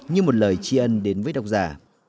như một lời chi ân đến với đọc giả